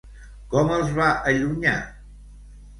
Com els va allunyar?